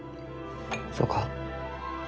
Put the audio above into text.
そうか。